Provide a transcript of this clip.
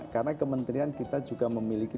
karena kementerian kita juga memiliki